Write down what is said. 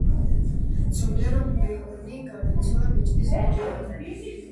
ცნობილია, რომ ბეორნი გარდაიცვალა ბეჭდის ომამდე.